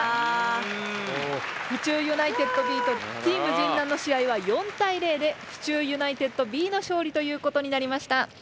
府中ユナイテッドＢとＴｅａｍ神南の試合は４対０で府中ユナイテッドＢのしょうりということになりました。